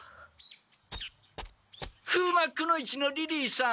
風魔くの一のリリーさん。